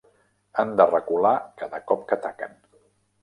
Han de recular cada cop que ataquen.